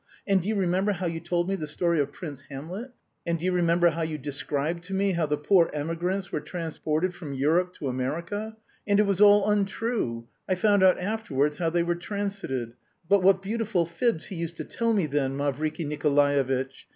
And do you remember how you told me the story of Prince Hamlet? And do you remember how you described to me how the poor emigrants were transported from Europe to America? And it was all untrue; I found out afterwards how they were transited. But what beautiful fibs he used to tell me then, Mavriky Nikolaevitch!